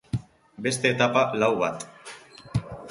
Beste etapa lau bat.